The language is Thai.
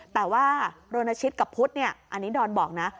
แต่ว่าโรนชิตกับพุทธเนี่ยอันนี้ดอนบอกนะ